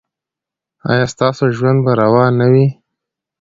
ایا ستاسو ژوند به روان نه وي؟